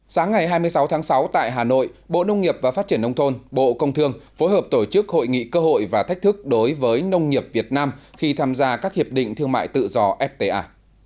sáng ngày hai mươi sáu tháng sáu tại hà nội bộ nông nghiệp và phát triển nông thôn bộ công thương phối hợp tổ chức hội nghị cơ hội và thách thức đối với nông nghiệp việt nam khi tham gia các hiệp định thương mại tự do fta